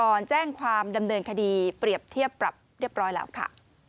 ก่อนแจ้งความดำเนินคดีเปรียบเทียบปรับเรียบร้อยแล้วค่ะ